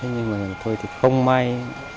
nhưng mà thôi thì không may